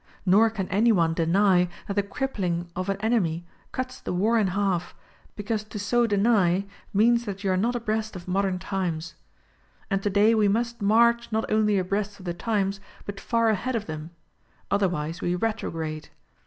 Nor can any one deny that the crippling of an enemy cuts the war in half, because to so deny means that you are not abreast of modern times. And today we must march not only abreast of the times but far ahead of them ; otherwise we retrograde.